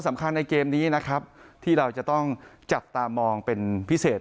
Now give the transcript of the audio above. สำคัญในเกมนี้นะครับที่เราจะต้องจับตามองเป็นพิเศษ